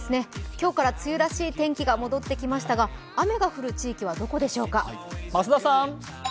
今日から梅雨らしい天気が戻ってきましたが雨が降る地域はどこでしょうか？